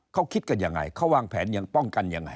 เขาคิดกันยังไงเขาวางแผนยังป้องกันยังไง